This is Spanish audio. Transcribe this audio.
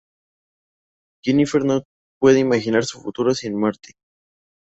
Jennifer no puede imaginar su futuro sin Marty.